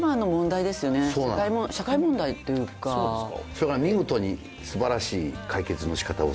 それが見事に素晴らしい解決の仕方をするんで。